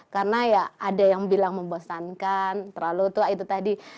karena ya ada yang bilang membosankan terlalu tua itu tadi